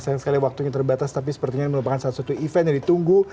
sayang sekali waktunya terbatas tapi sepertinya merupakan salah satu event yang ditunggu